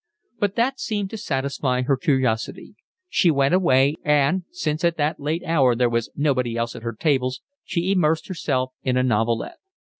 But that seemed to satisfy her curiosity. She went away and, since at that late hour there was nobody else at her tables, she immersed herself in a novelette.